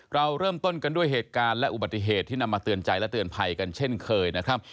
เราเริ่มต้นกันด้วยเหตุการณ์และอุบัติเหตุที่นำมาเตือนใจและเตือนภัยกันเช่นเคยนะครับ